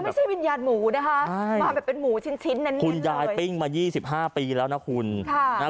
แล้วไม่ใช่วิญญาณหมูนะคะใช่มาแบบเป็นหมูชิ้นชิ้นนั่นเนี่ยเลยคุณยายปิ้งมายี่สิบห้าปีแล้วนะคุณค่ะ